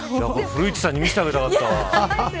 古市さんに見せてあげたかった。